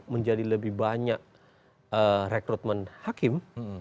menjadi lebih banyak rekrutmen hakim